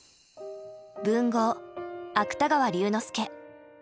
文豪芥川龍之介。